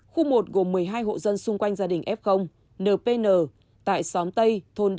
khu một gồm một mươi hai hộ dân xung quanh gia đình f tại xóm tây